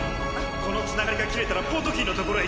このつながりが切れたらポートキーのところへ